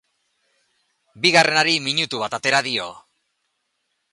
Bigarrenari minutu bat atera dio.